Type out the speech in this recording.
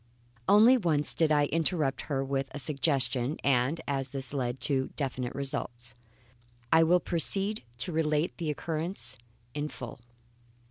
Only once did I interrupt her with a suggestion; and as this led to definite results, I will proceed to relate the occurrence in full.